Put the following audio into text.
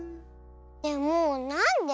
でもなんで？